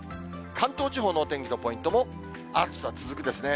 関東地方のお天気のポイントも、暑さ続くですね。